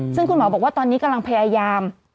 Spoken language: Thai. ซึ่งคุณหมอบอกว่าตอนนี้กำลังพยายาม